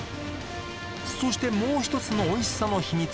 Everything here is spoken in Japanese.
そしてもう１つのおいしさの秘密